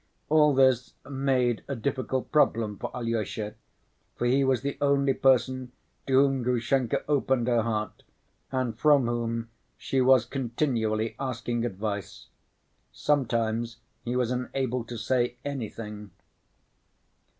All this made a difficult problem for Alyosha, for he was the only person to whom Grushenka opened her heart and from whom she was continually asking advice. Sometimes he was unable to say anything.